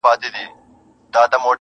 نن په مستو سترګو د جام ست راته ساقي وکړ.